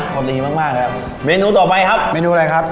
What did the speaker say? พอดีมากมากครับเมนูต่อไปครับเมนูอะไรครับ